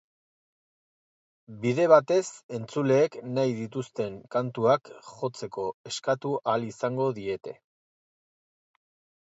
Bide batez, entzuleek nahi dituzten kantuak jotzeko eskatu ahal izango diete.